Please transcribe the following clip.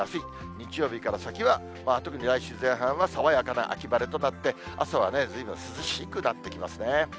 日曜日から先は、特に来週前半は爽やかな秋晴れとなって、朝はずいぶん涼しくなってきますね。